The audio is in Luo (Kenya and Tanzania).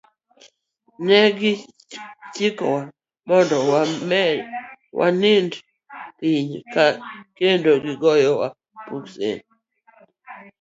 Ne gichikowa mondo wanind piny, kendo goyowa peksen.